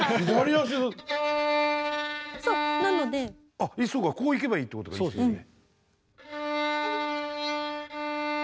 あっそうかこう行けばいいってこと。ですよね。